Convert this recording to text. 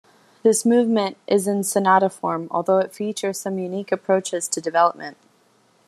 This movement is in sonata form, although it features some unique approaches to development.